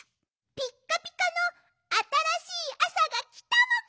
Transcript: ピッカピカのあたらしいあさがきたもぐ！